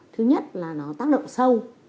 thứ nhất là nó tác động sâu